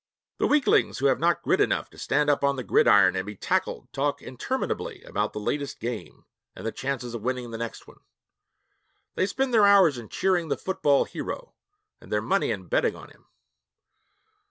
The weaklings who have not grit enough to stand up on the gridiron and be tackled talk interminably about the latest game and the chances of winning the next one. They spend their hours in cheering the football hero, and their money in betting on him.